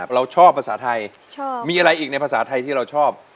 เราชอบภาษาไทยมีอะไรอีกในภาษาไทยที่เราชอบ